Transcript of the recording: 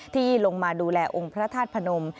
ที่ลงมาดูแลองค์พระธาตุพนม